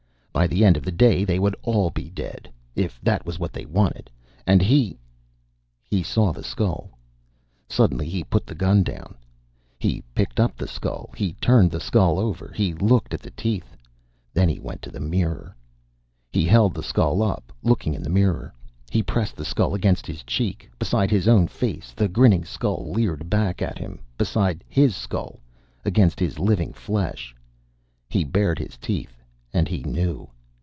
By the end of the day they would all be dead, if that was what they wanted, and he He saw the skull. Suddenly he put the gun down. He picked up the skull. He turned the skull over. He looked at the teeth. Then he went to the mirror. He held the skull up, looking in the mirror. He pressed the skull against his cheek. Beside his own face the grinning skull leered back at him, beside his skull, against his living flesh. He bared his teeth. And he knew.